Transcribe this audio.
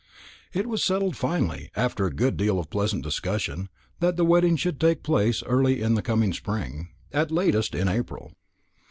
It was settled finally, after a good deal of pleasant discussion, that the wedding should take place early in the coming spring at latest in April.